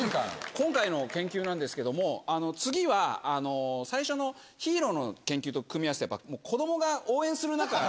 今回の研究なんですけども次は最初のヒーローの研究と組み合わせて子供が応援する中。